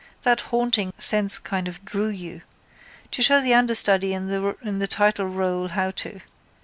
That haunting sense kind of drew you. To show the understudy in the title rôle how to.